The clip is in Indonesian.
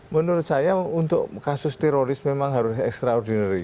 menurut saya untuk kasus teroris memang harus extraordinary